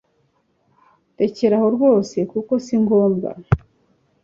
rekeraho rwose kuko singombwa